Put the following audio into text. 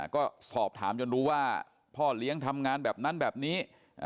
ก็สอบถามจนรู้ว่าพ่อเลี้ยงทำงานแบบนั้นแบบนี้